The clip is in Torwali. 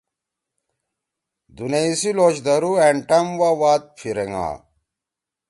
دُونئی سی لوش دھرُو أنٹأم وا واد پھیریِنگا